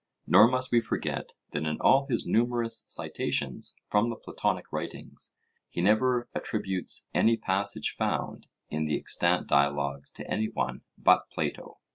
Nor must we forget that in all his numerous citations from the Platonic writings he never attributes any passage found in the extant dialogues to any one but Plato.